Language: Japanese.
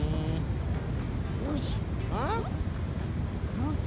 ノジ？